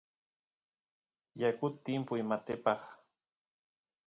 yakut timpuy matepaq